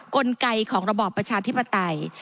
กลไกของระบอบประชาธิปไตย